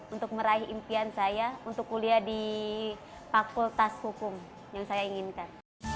untuk meraih impian saya untuk kuliah di fakultas hukum yang saya inginkan